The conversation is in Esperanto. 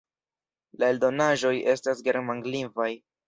La eldonaĵoj estas germanlingvaj.